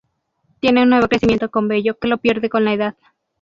Tiene un nuevo crecimiento con vello que lo pierde con la edad.